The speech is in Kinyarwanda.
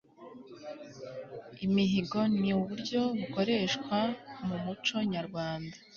imihigo ni uburyo bukoreshwa mu muco nyarwanda